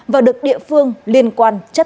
và được địa phương liên kết